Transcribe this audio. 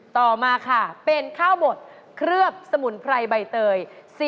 ต่อมาค่ะเป็นข้าวบดเคลือบสมุนไพรใบเตย